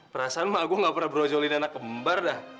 perasaan mah aku gak pernah brojolin anak kembar dah